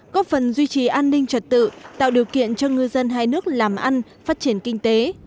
góp phần duy trì an ninh trật tự tạo điều kiện cho ngư dân hai nước làm ăn phát triển kinh tế